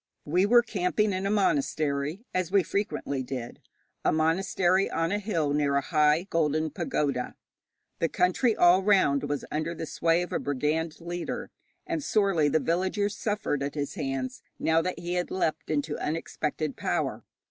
We were camping in a monastery, as we frequently did a monastery on a hill near a high golden pagoda. The country all round was under the sway of a brigand leader, and sorely the villagers suffered at his hands now that he had leapt into unexpected power.